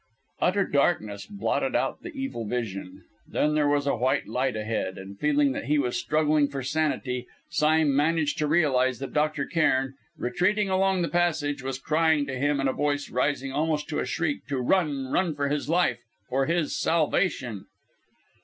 Utter darkness blotted out the evil vision. Then there was a white light ahead; and feeling that he was struggling for sanity, Sime managed to realise that Dr. Cairn, retreating along the passage, was crying to him, in a voice rising almost to a shriek, to run run for his life for his salvation!